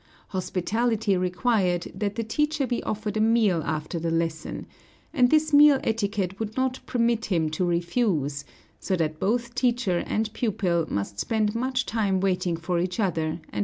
Hospitality required that the teacher be offered a meal after the lesson, and this meal etiquette would not permit him to refuse, so that both teacher and pupil must spend much time waiting for each other and for the lesson.